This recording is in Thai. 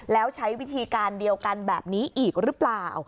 แล้วใช้วิธีการเดียวกันแบบนี้อีกหรือเปล่า